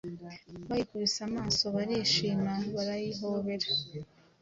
bayikubise amaso, barishima, barayihobera,